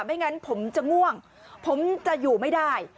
ไม่งั้นผมจะง่วงผมจะอยู่ไม่ได้